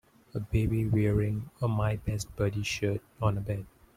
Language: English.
A baby wearing a my best buddy shirt on a bed.